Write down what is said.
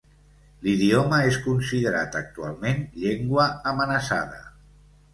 L'idioma és considerat actualment llengua amenaçada.